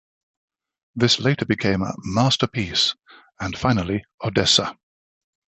This later became "Masterpeace" and finally "Odessa".